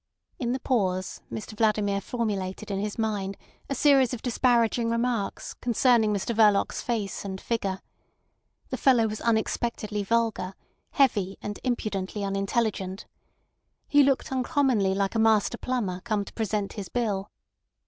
In the pause Mr Vladimir formulated in his mind a series of disparaging remarks concerning Mr Verloc's face and figure. The fellow was unexpectedly vulgar, heavy, and impudently unintelligent. He looked uncommonly like a master plumber come to present his bill.